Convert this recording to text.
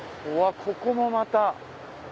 ここもまた。